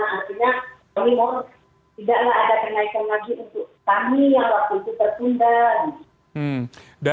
artinya kami mohon tidaklah ada kenaikan lagi untuk kami yang waktu itu tertunda